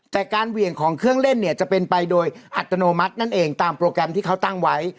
แต่การเหวี่ยงของเครื่องเล่นเนี่ยจะเป็นไปโดยอัตโนมัตินั่นเองตามโปรแกรมที่เขาตั้งไว้